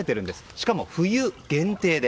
しかも冬限定で。